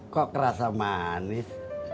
kok kerasa manis